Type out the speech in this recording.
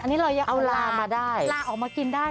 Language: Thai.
อันนี้เรายังเอาลามาได้ลาออกมากินได้